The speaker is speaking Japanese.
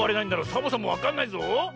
サボさんもわかんないぞ。